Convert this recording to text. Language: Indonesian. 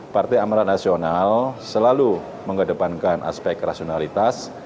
partai amarat nasional selalu mengedepankan aspek rasionalitas